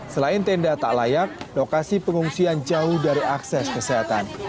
selain tenda tak layak lokasi pengungsian jauh dari akses kesehatan